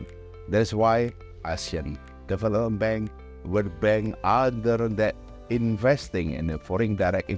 itulah mengapa asien bank kebangsaan bank perubahan dan lainnya yang berinvestasi dalam investasi langsung di luar negara